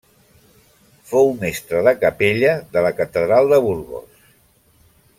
Fou mestre de capella de la catedral de Burgos.